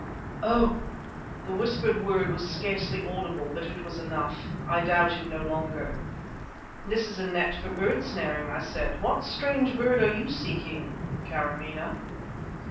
"Oh!" The whispered word was scarcely audible, but it was enough; I doubted no longer. "This is a net for bird snaring," I said. "What strange bird are you seeking Karamaneh?"